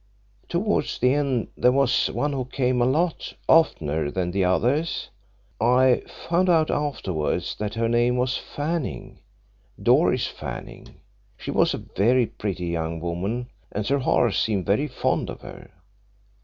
Towards the end there was one who came a lot oftener than the others. I found out afterwards that her name was Fanning Doris Fanning. She was a very pretty young woman, and Sir Horace seemed very fond of her.